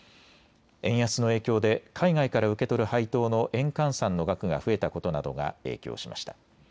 円安の影響で海外から受け取る配当の円換算の額が増えたことなどが影響しました。